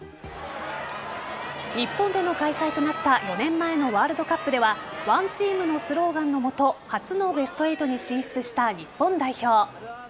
日本での開催となった４年前のワールドカップではワンチームのスローガンのもと初のベスト８に進出した日本代表。